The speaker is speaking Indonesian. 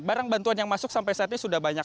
barang bantuan yang masuk sampai saat ini sudah banyak